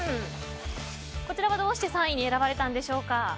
こちらはどうして３位に選ばれたんでしょうか？